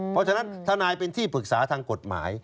เพราะฉะนั้นทนายเป็นที่ปรึกษาทางกฎหมาย